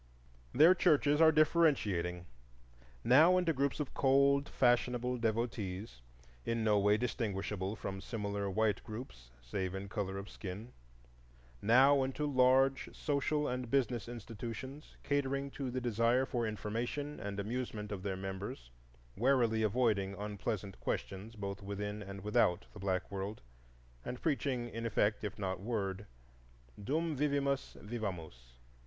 Their churches are differentiating,—now into groups of cold, fashionable devotees, in no way distinguishable from similar white groups save in color of skin; now into large social and business institutions catering to the desire for information and amusement of their members, warily avoiding unpleasant questions both within and without the black world, and preaching in effect if not in word: Dum vivimus, vivamus.